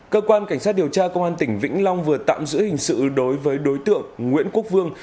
cơ quan cảnh sát điều tra công an tỉnh vĩnh long vừa tạm giữ hình sự đối với đối tượng nguyễn quốc vương